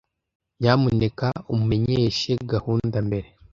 Nyamuneka umenyeshe gahunda mbere.